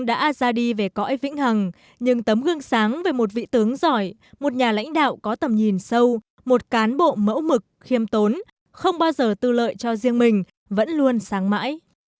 đã ra đi về cõi vĩnh hằng nhưng tấm gương sáng về một vị tướng giỏi một nhà lãnh đạo có tầm nhìn sâu một cán bộ mẫu mực khiêm tốn không bao giờ tư lợi cho riêng mình vẫn luôn sáng mãi